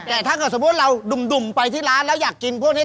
แต่ถ้าเกิดสมมุติเราดุ่มไปที่ร้านแล้วอยากกินพวกนี้